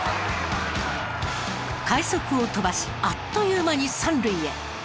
快足を飛ばしあっという間に３塁へ。